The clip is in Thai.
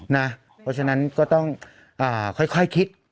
เพราะฉะนั้นก็ต้องค่อยคิด